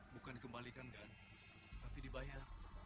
bukan dikembalikan kan tapi dibayar